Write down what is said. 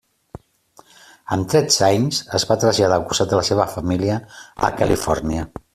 Amb tretze anys es va traslladar al costat de la seva família a Califòrnia.